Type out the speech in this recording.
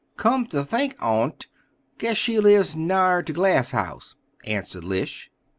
Come to think on't, guess she lives nigher to Glass house," answered Lishe.